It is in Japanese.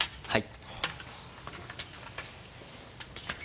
はい。